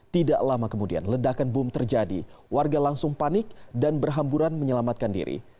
tidak lama kemudian ledakan bom terjadi warga langsung panik dan berhamburan menyelamatkan diri